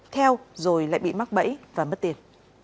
theo rồi lại bị mắc bẫy và mất tiền